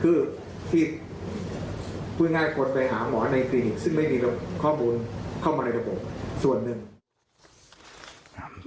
คือที่พูดง่ายคนไปหาหมอในคลินิกซึ่งไม่มีข้อมูลเข้ามาในระบบส่วนหนึ่ง